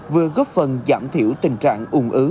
vừa góp phần giảm thiểu tình trạng ủng ứ